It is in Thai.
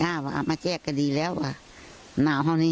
ว่ามาแจ้งก็ดีแล้วค่ะหนาวเท่านี้